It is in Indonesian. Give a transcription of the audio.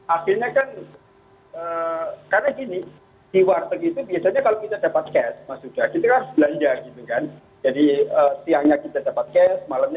akhirnya kan karena gini di warteg itu biasanya kalau kita dapat cash maksudnya